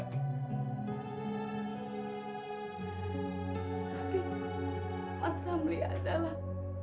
tapi mas amli adalah